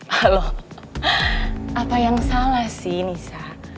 halo apa yang salah sih nisa